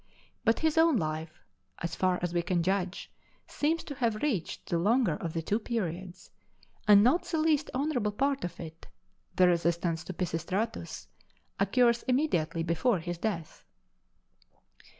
But his own life, as far as we can judge, seems to have reached the longer of the two periods; and not the least honorable part of it (the resistance to Pisistratus) occurs immediately before his death.